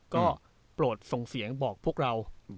ก็โปรดส่งเสียงบอกพวกเรา